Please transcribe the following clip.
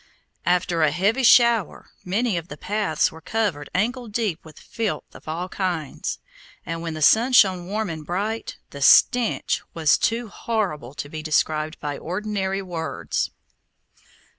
After a heavy shower many of the paths were covered ankle deep with filth of all kinds, and when the sun shone warm and bright, the stench was too horrible to be described by ordinary words.